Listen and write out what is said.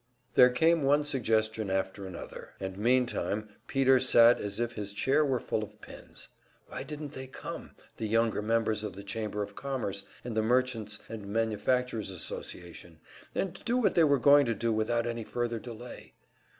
There came one suggestion after another; and meantime Peter sat as if his chair were full of pins. Why didn't they come the younger members of the Chamber of Commerce and the Merchants' and Manufacturers' Association and do what they were going to do without any further delay?